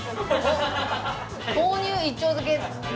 購入一丁漬け。